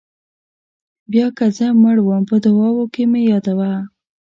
بیا که زه مړ وم په دعاوو کې مې یادوه.